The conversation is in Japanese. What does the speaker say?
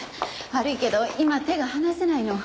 悪いけど今手が離せないの。